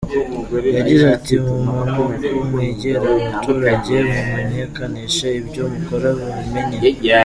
Yagize ati”Mumanuke mwegere abaturage mumenyekanishe ibyo mukora babimenye.